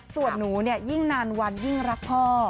ส่วนหนูเนี่ยยิ่งนานวันยิ่งรักพ่อ